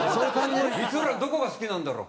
「光浦のどこが好きなんだろう？